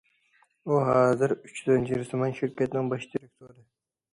ئۇ ھازىر ئۈچ زەنجىرسىمان شىركەتنىڭ باش دىرېكتورى.